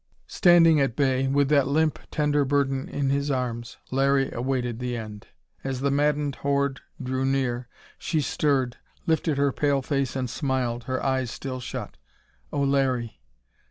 Standing at bay, with that limp, tender burden in his arms, Larry awaited the end. As the maddened horde drew near, she stirred, lifted her pale face and smiled, her eyes still shut. "Oh, Larry!"